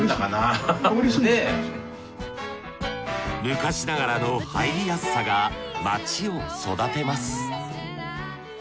昔ながらの入りやすさが街を育てます